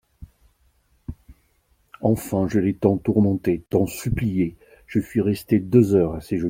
Enfin je l'ai tant tourmenté, tant supplié, je suis restée deux heures à ses genoux.